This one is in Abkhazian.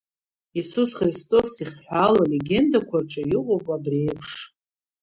Иисус Христос ихҳәаау алегендақәа рҿы иҟоуп абри еиԥш.